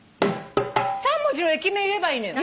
３文字の駅名言えばいいのよ。